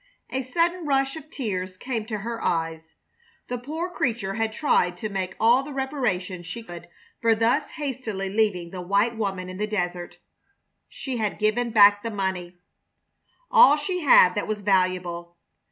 A sudden rush of tears came to her eyes. The poor creature had tried to make all the reparation she could for thus hastily leaving the white woman in the desert. She had given back the money all she had that was valuable!